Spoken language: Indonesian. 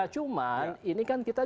cuman ini kan kita